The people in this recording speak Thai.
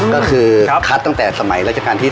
ก็คือคัดตั้งแต่สมัยราชการที่๓